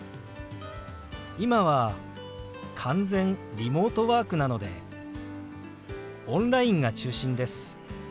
今は完全リモートワークなのでオンラインが中心です。